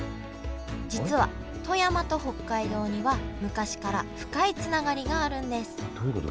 実は富山と北海道には昔から深いつながりがあるんですどういうこと？